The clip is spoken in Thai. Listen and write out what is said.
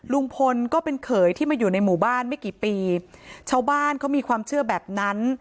ลุงพลก็เป็นเขยที่มาอยู่ในหมู่บ้านไม่กี่ปีชาวบ้านเขามีความเชื่อแบบนั้น